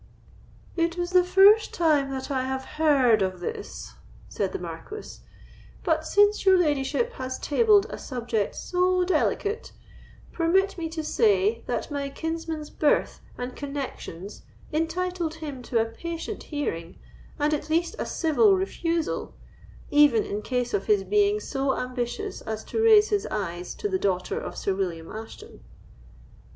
"It is the first time that I have heard of this," said the Marquis; "but, since your ladyship has tabled a subject so delicate, permit me to say, that my kinsman's birth and connexions entitled him to a patient hearing, and at least a civil refusal, even in case of his being so ambitious as to raise his eyes to the daughter of Sir William Ashton."